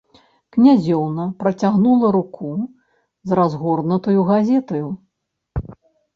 Князёўна працягнула руку з разгорнутаю газетаю.